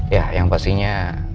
ya yang pastinya